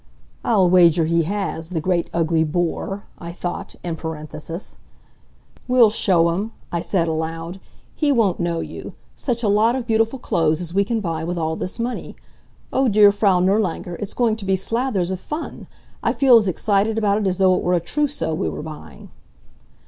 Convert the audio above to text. ("I'll wager he has the great, ugly boor!" I thought, in parenthesis.) "We'll show him!" I said, aloud. "He won't know you. Such a lot of beautiful clothes as we can buy with all this money. Oh, dear Frau Nirlanger, it's going to be slathers of fun! I feel as excited about it as though it were a trousseau we were buying."